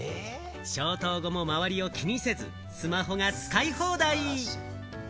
消灯後も周りを気にせずスマホが使い放題。